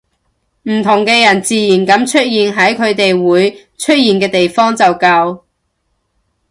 唔同嘅人自然噉出現喺佢哋會出現嘅地方就夠